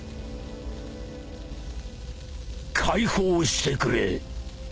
解放してくれ。